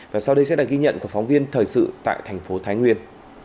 và sau đây sẽ là ghi nhận của phóng viên thời sự tại thành phố thái nguyên